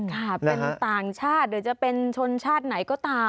ค่ะเป็นต่างชาติหรือจะเป็นชนชาติไหนก็ตาม